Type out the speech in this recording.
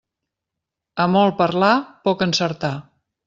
A molt parlar, poc encertar.